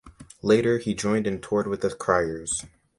Later he joined and toured with the Cryers.